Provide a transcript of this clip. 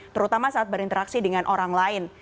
terutama saat berinteraksi dengan orang lain